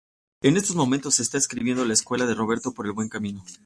En estos momentos está escribiendo la secuela de Roberto por el buen camino.